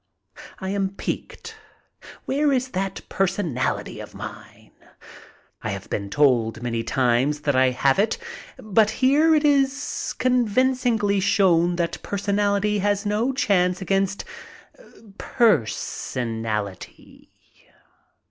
I am piqued. Where is that personality of mine? I have been told many times that I have it. But here it is con vincingly shown that personality has no chance against "pursenality."